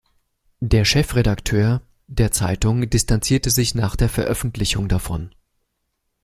Der Chefredaktor der Zeitung distanzierte sich nach der Veröffentlichung davon.